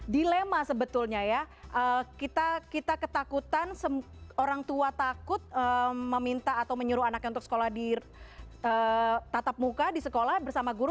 dilema sebetulnya ya kita ketakutan orang tua takut meminta atau menyuruh anaknya untuk sekolah di tatap muka di sekolah bersama guru